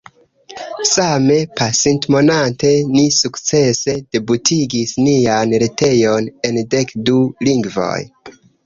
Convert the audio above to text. Same pasintmonate ni sukcese debutigis nian retejon en dek du lingvoj.